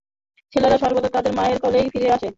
ছেলেরা সর্বদা তাদের মায়ের কোলেই ফিরে আসে।